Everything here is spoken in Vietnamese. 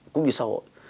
cũng như xã hội